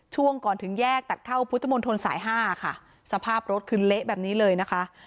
ช่วงก่อนถึงแยกตัดเข้าพุทธมนตรสายห้าค่ะสภาพรถคือเละแบบนี้เลยนะคะ